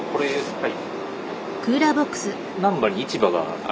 はい。